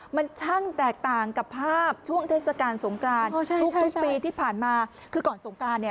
มันช่างแตกต่างกับภาพช่วงเทศกาลสงกรานทุกปีที่ผ่านมาคือก่อนสงกรานเนี่ย